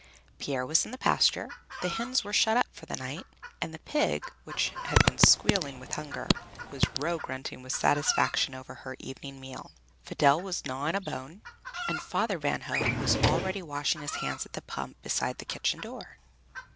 Pier was in the pasture, the hens were shut up for the night, and the pig, which had been squealing with hunger, was row grunting with satisfaction over her evening meal; Fidel was gnawing a bone, and Father Van Hove was already washing his hands at the pump, beside the kitchen door.